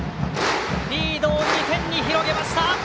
リードを２点に広げました。